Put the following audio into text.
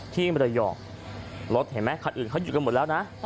มรยองรถเห็นไหมคันอื่นเขาหยุดกันหมดแล้วนะ